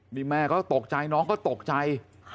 นี่แม่ก็ตกใจน้องก็ตกใจ